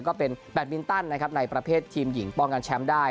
ก็เป็นแบตมินตันนะครับในประเภททีมหญิงป้องกันแชมป์ได้